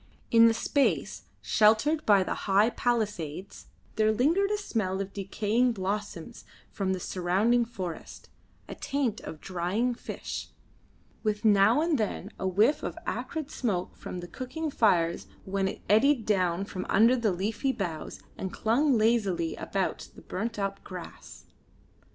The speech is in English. In the space sheltered by the high palisades there lingered the smell of decaying blossoms from the surrounding forest, a taint of drying fish; with now and then a whiff of acrid smoke from the cooking fires when it eddied down from under the leafy boughs and clung lazily about the burnt up grass.